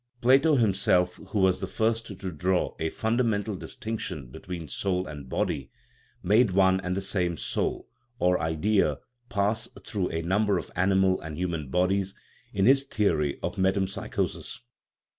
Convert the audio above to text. Plato him self, who was the first to draw a fundamental distinc tion between soul and body, made one and the same soul (or " idea ") pass through a number of animal and human bodies in his theory of metempsychosis.